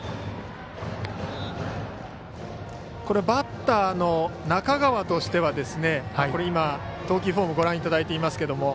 バッターの中川としては今、投球フォームをご覧いただいていますが。